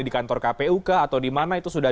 di kantor kpu ke atau dimana itu sudah